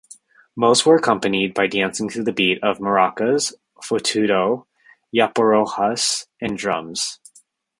Most were accompanied by dancing to the beat of "maracas", "fotuto", "yaporojas" and drums.